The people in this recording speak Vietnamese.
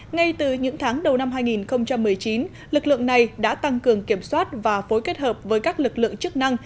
ngay từ những tháng đầu năm hai nghìn một mươi chín lực lượng này đã tăng cường kiểm soát và phối kết hợp với các lực lượng chức năng